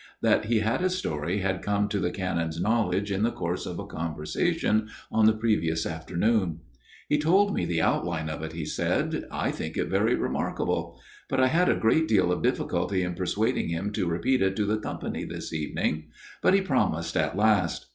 That he had a story had come to the Canon's knowledge in the course of a conversation on the previous afternoon. " He told me the outline of it," he said, " I think it very remarkable. But I had a great deal of difficulty in persuading him to repeat it to the company this evening. But he promised at last.